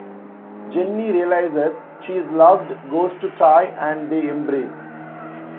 Jenny realizes she is loved, goes to Tye, and they embrace.